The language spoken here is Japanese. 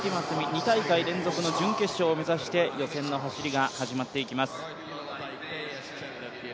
２大会連続の準決勝を目指して予選の走りが始まっていきます。